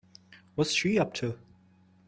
What's she up to?